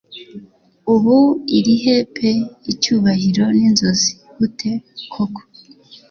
Ubu irihe pe icyubahiro ninzozi gute koko